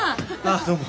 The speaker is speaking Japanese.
あどうも。